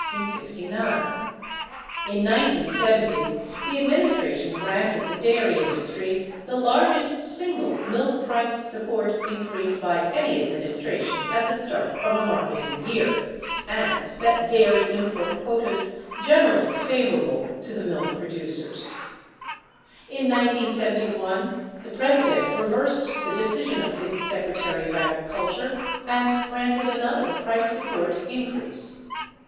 In 1970, the ad ministration granted the dairy industry the largest single milk price support increase by any administration at the start of a marketing year, and set dairy import quotas generally favorable to the milk producers. In 1971, the President reversed the decision of his Secretary of Agriculture and granted another price support increase.